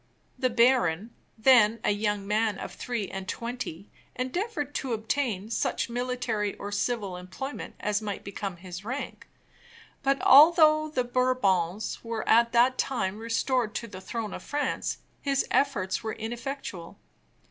The baron, then a young man of three and twenty endeavored to obtain such military or civil employment as might become his rank; but, although the Bourbons were at that time restored to the throne of France, his efforts were ineffectual.